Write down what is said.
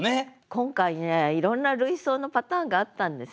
今回ねいろんな類想のパターンがあったんですよ。